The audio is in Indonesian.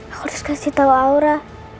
aku harus kasih tahu aura